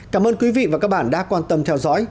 cảm ơn quý vị và các bạn đã quan tâm theo dõi